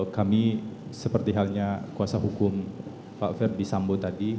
kami seperti halnya kuasa hukum pak ferdi sambo tadi